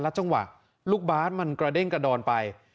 จังหวะลูกบาทมันกระเด้งกระดอนไป